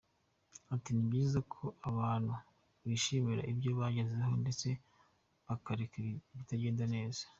Ati “ Ni byiza ko abantu bishimira ibyo bagezeho ndetse bakerekana ibitagenda neza.